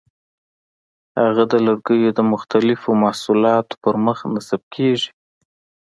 هغه د لرګیو د مختلفو محصولاتو پر مخ نصب کېږي.